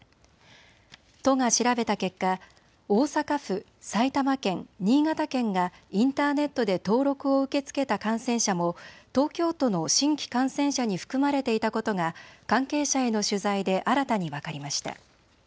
都が調べた結果、大阪府、埼玉県、新潟県がインターネットで登録を受け付けた感染者も東京都の新規感染者に含まれていたことが関係者への取材で新たに分かりました。